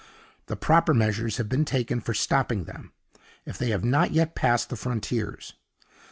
The proper measures have been taken for stopping them, if they have not yet passed the frontiers.